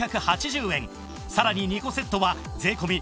さらに２個セットは税込５９８０円